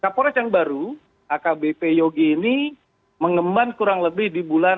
kapolres yang baru akbp yogi ini mengemban kurang lebih di bulan